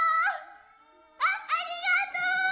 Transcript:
あっありがとう。